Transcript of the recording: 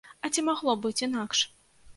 А ці магло быць інакш?